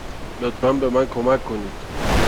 لطفا به من کمک کنید.